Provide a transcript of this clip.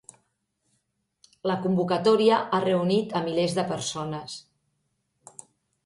La convocatòria ha reunit a milers de persones